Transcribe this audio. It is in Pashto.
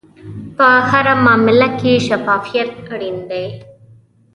په هره معامله کې شفافیت اړین دی.